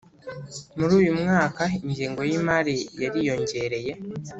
Muruyu mwaka ingengo yimari yariyongereye